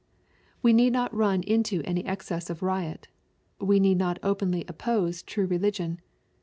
We deed not run into any excess of riot. We need not openly oppose true religion.